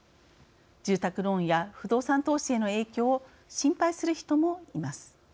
住宅ローンや不動産投資への影響を心配する人もいます。